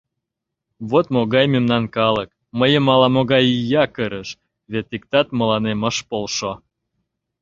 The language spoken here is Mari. Вот могай мемнан калык, мыйым ала-могай ия кырыш, вет иктат мыланем ыш полшо...